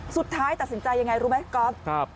สุดท้ายตัดสินใจยังไงรู้ไหมก๊อฟ